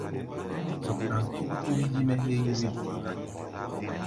Zɔ́k ɗáŋ kémbémbé yí-mɛ́ héé yí wí-dua gá.